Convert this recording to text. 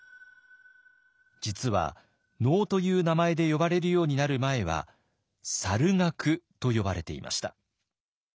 実は能という名前で呼ばれるようになる前は猿楽と呼ばれていました。